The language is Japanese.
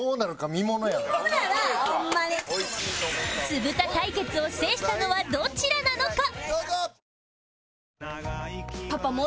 酢豚対決を制したのはどちらなのか？